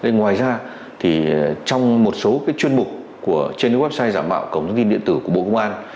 ngoài ra trong một số chuyên mục trên website giả mạo cổng thông tin điện tử của bộ công an